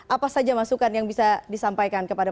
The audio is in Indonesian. apa saja masukan yang bisa disampaikan kepada